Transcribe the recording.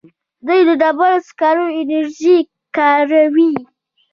دوی د ډبرو سکرو انرژي کاروي.